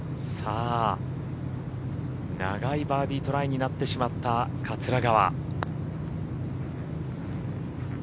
長いバーディートライになってしまった桂川。